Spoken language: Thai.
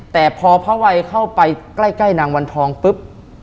แต่พอพระวัยเข้าไปใกล้นางวันทองปุ๊บ